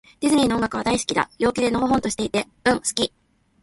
ディズニーの音楽は、大好きだ。陽気で、のほほんとしていて。うん、好き。